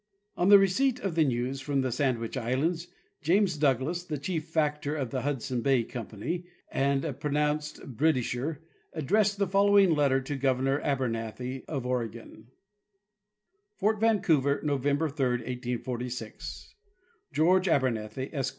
On the receipt of the news from the Sandwich islands, James Douglass, the chief factor of the Hudson Bay company and a pronounced Britisher, addressed the following letter to Governor Abernethy, of Oregon: ''Fort Vancouver, November 3, 1846. "*GroRGE ABERNETHY, Esq.